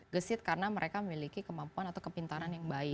gesit karena mereka memiliki kemampuan atau kepintaran yang baik